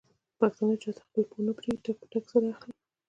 پښتانه چاته خپل پور نه پرېږدي ټک په ټک سره اخلي.